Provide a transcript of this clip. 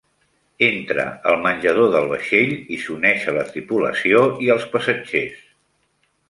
Entra al menjador del vaixell i s'uneix a la tripulació i als passatgers.